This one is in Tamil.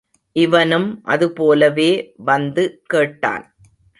இவனும் அதுபோலவே வந்து கேட்டான்.